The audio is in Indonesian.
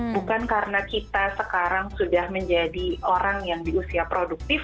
bukan karena kita sekarang sudah menjadi orang yang di usia produktif